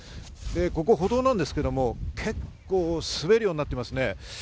ここ、歩道なんですけど、結構滑るようになってますね。